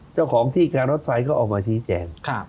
เจ้าของที่การรถไฟก็ออกมาชี้แจง